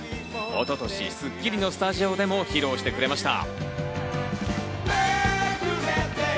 一昨年『スッキリ』のスタジオでも披露してくれました。